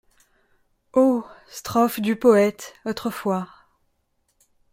Ô strophe du poëte, autrefois… »